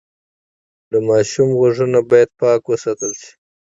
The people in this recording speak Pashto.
د ماشوم غوږونه باید پاک وساتل شي۔